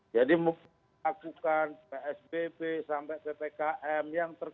jadi memakai psbb sampai ppkm yang terkait